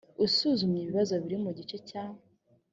usuzumye ibibazo biri mu gice cya